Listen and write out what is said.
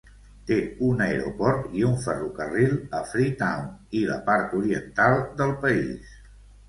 Té un aeroport i un ferrocarril a Freetown i la part oriental del país.